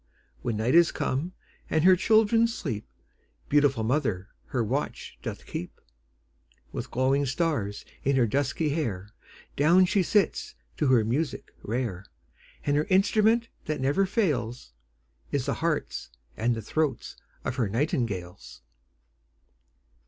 When night is come, and her children sleep, Beautiful mother her watch doth keep; With glowing stars in her dusky hair Down she sits to her music rare; And her instrument that never fails, Is the hearts and the throats of her nightingales.